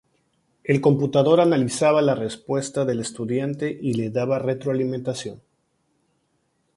El computador analizaba la respuesta del estudiante y le daba retroalimentación.